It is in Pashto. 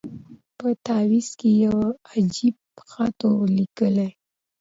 په تعویذ کي یو عجب خط وو لیکلی